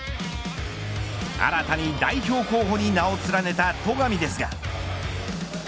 新たに代表候補に名を連ねた戸上ですが。